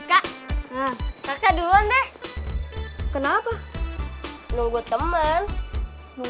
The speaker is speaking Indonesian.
kak kakak duluan deh kenapa lo gua temen